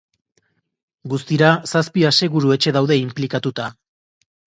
Guztira zazpi aseguru etxe daude inplikatuta.